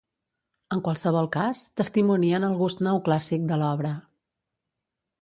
En qualsevol cas, testimonien el gust neoclàssic de l'obra.